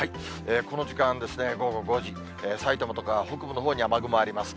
この時間ですね、午後５時、埼玉とか北部のほうに雨雲があります。